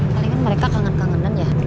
palingan mereka kangen kangenan ya